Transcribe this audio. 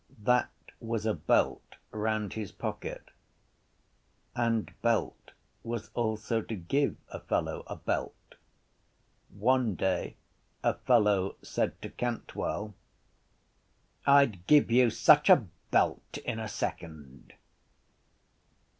That was a belt round his pocket. And belt was also to give a fellow a belt. One day a fellow said to Cantwell: —I’d give you such a belt in a second.